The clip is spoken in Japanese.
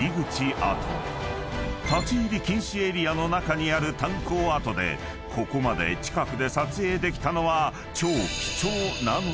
［立ち入り禁止エリアの中にある炭鉱跡でここまで近くで撮影できたのは］